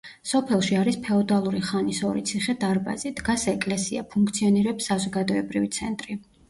სოფელში არის ფეოდალური ხანის ორი ციხე-დარბაზი, დგას ეკლესია, ფუნქციონირებს საზოგადოებრივი ცენტრი.